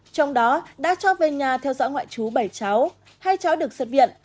trong đó đã cho về nhà theo dõi ngoại trú bảy cháu hai cháu được xuất viện